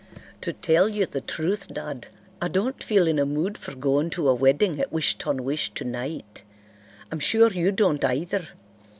To tell you the truth, Dad, I don't feel in a mood for going to a wedding at Wish ton wish tonight. I'm sure you don't either.